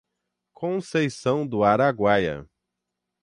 Conceição do Araguaia